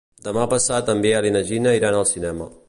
Demà passat en Biel i na Gina iran al cinema.